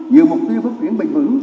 nhiều mục tiêu phát triển bình vững